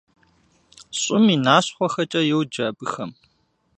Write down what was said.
«ЩӀым и нащхъуэхэкӀэ» йоджэ абыхэм.